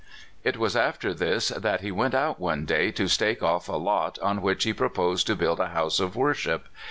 It was after this that he went out one day to stake off a lot on which he proposed to build a house of worship.